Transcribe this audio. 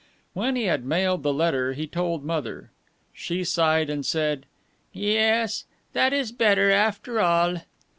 When he had mailed the letter he told Mother. She sighed and said, "Yes, that is better, after all."